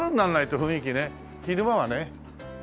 昼間はね。